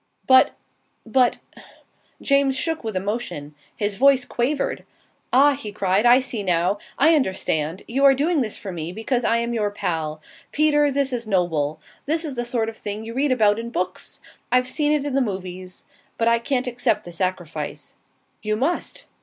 "But but " James shook with emotion. His voice quavered. "Ah!" he cried. "I see now: I understand! You are doing this for me because I am your pal. Peter, this is noble! This is the sort of thing you read about in books. I've seen it in the movies. But I can't accept the sacrifice." "You must!"